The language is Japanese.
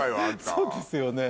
そうですよね。